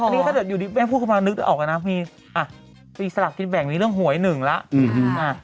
อันนี้ถ้าเดินอยู่ดีแม่พูดมานึกออกกันนะมีศาลักษณ์กิจแบ่งมีเรื่องหวยหนึ่งแล้ว